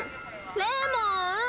レモン。